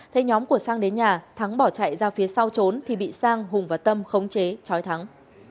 thấy nhóm của sang đến nhà thắng bỏ chạy ra phía sau trốn thì bị sang hùng và tâm khống chế chói thắng